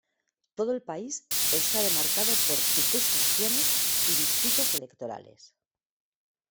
Todo el país está demarcado por circunscripciones y distritos electorales.